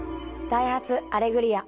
『ダイハツアレグリア』